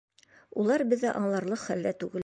Улар беҙҙе аңларлыҡ хәлдә түгел.